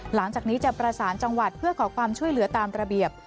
หลังจากนี้จะประสานจังหวัดเพื่อขอความช่วยเหลือตามระเบียบ